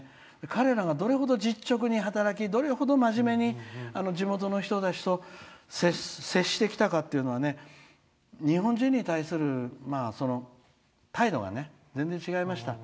彼らが、どれほど実直に働きどれほど真面目に地元の人たちと接してきたかっていうのは日本人に対する態度がね全然、違いました。